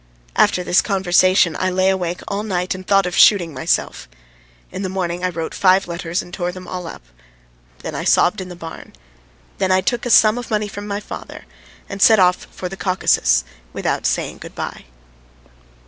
After this conversation I lay awake all night and thought of shooting myself. In the morning I wrote five letters and tore them all up. Then I sobbed in the barn. Then I took a sum of money from my father and set off for the Caucasus without saying good bye.